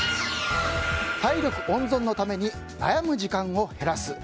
体力温存のために悩む時間を減らす。